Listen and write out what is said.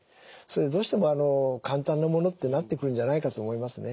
どうしても簡単なものってなってくるんじゃないかと思いますね。